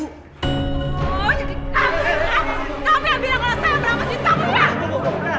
oh jadi kamu yang bilang kalau saya merampas duit kamu ya